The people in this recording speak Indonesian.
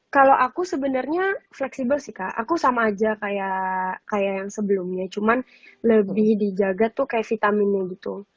kalau aku sebenarnya fleksibel sih kak aku sama aja kayak yang sebelumnya cuman lebih dijaga tuh kayak vitaminnya gitu